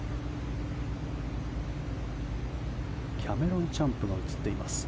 キャメロン・チャンプが映っています。